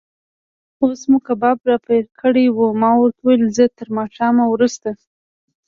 اوس مو کباب را پیل کړی و، ما ورته وویل: زه تر ماښام وروسته.